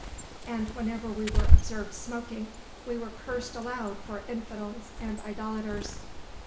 And whenever we were observed smoking, we were cursed aloud for infidels and idolaters.